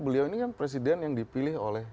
beliau ini kan presiden yang dipilih oleh